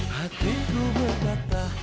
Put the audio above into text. hati ku berdata